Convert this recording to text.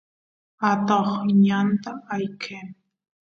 atoq ñanta ayqen